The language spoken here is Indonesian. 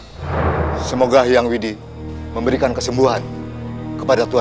kau masih meremehkan aku